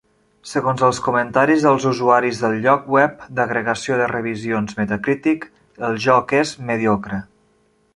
Segons els comentaris dels usuaris del lloc web d'agregació de revisions Metacritic, el joc és "mediocre".